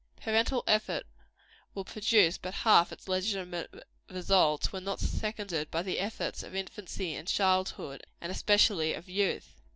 Parental effort will produce but half its legitimate results, when not seconded by the efforts of infancy and childhood, and especially of youth.